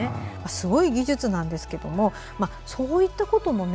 すごい技術なんですがそういったこともね